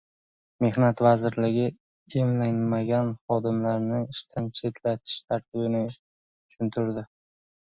Mehnat vazirligi emlanmagan xodimlarni ishdan chetlatish tartibini tushuntirdi